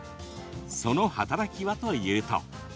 その働きはというと。